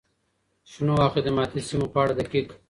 شنو او خدماتي سیمو په اړه دقیق،